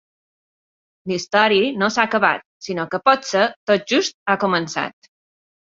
La història no s’ha acabat, sinó que potser tot just ha començat.